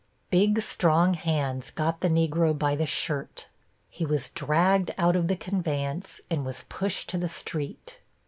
Big, strong hands got the Negro by the shirt. He was dragged out of the conveyance, and was pushed to the street.